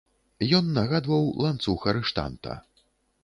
Ён нагадваў ланцуг арыштанта.